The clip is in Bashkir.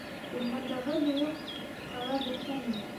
Урмандағы бөйөк ҡала бөткәнме?